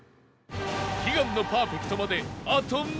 悲願のパーフェクトまであと７